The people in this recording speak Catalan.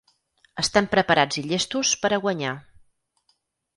Estem preparats i llestos per a guanyar.